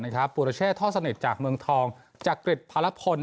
นะครับปุรเชษท่อสนิทจากเมืองทองจากกฤทธิ์พระละพล